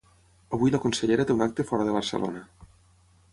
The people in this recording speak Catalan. Avui la consellera té un acte fora de Barcelona.